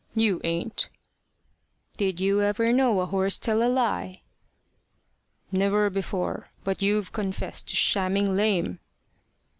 "You ain't." "Did you ever know a horse tell a lie?" "Never before. But you've confessed to shamming lame."